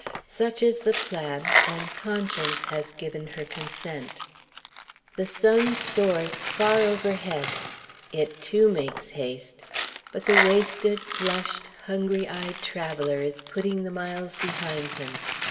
Such is the plan, and Conscience has given her consent. The sun soars far overhead. It, too, makes haste. But the wasted, flushed, hungry eyed traveller is putting the miles behind him.